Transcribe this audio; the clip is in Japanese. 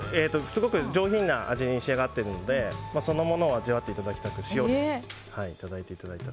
すごく上品な味に仕上がっているのでそのものを味わっていただきたく塩でいただいていただいて。